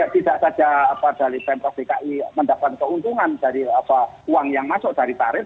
tidak saja dari sentral bki mendapatkan keuntungan dari uang yang masuk dari tarif